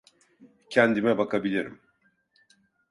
Kendime bakabilirim.